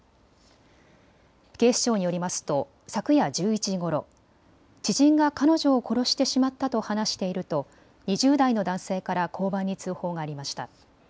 警視庁によりますと昨夜１１時ごろ、知人が彼女を殺してしまったと話していると２０代の男性から交番に通報がありました。